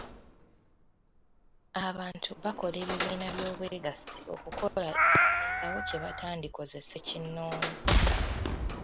Abantu bakola ebibiina by'obwegassi okukola ekisingawo kye batandikoze ssekinnoomu.